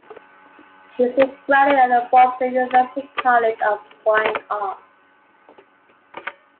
She is a graduate of Boston University College of Fine Arts.